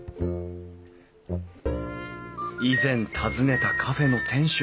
以前訪ねたカフェの店主